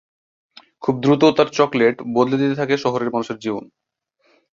খুব দ্রুত তার চকোলেট বদলে দিতে থাকে শহরের মানুষের জীবন।